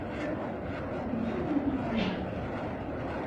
南昆虾脊兰为兰科虾脊兰属下的一个种。